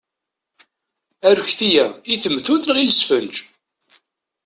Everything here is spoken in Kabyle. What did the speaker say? Arekti-a, i temtunt neɣ i lesfenǧ?